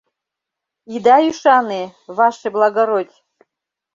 — Ида ӱшане, ваше благородь!